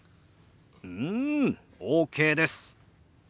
うんＯＫです。